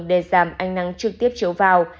để giảm ánh nắng trực tiếp chiếu vào